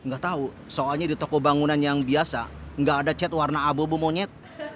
gak tau soalnya di toko bangunan yang biasa gak ada cat warna abu abu monyet